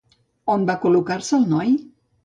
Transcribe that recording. On va col·locar-se el noi?